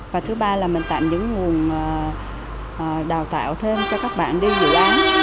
và thứ ba là mình tạm những nguồn đào tạo thêm cho các bạn đi dự án